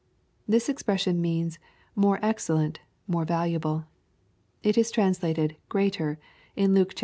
] This expression means " more excellent, — ^more valu able." It is translated " greater" in Luke xi.